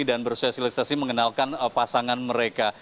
dan bersosialisasi mengenalkan pasangan mereka